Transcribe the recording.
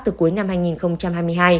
từ cuối năm hai nghìn hai mươi hai